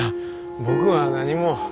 僕は何も。